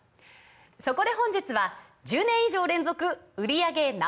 そこで本日は１０年以上連続売り上げＮｏ．１